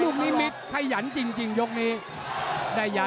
หรือว่าผู้สุดท้ายมีสิงคลอยวิทยาหมูสะพานใหม่